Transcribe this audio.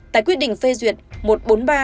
tại quyết định phê duyện